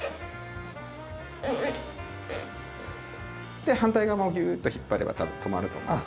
で反対側もギューッと引っ張れば多分留まると思います。